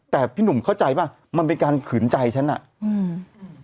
แต่พี่หนุ่มเข้าใจป่ะมันเป็นการขืนใจฉันอ่ะอืม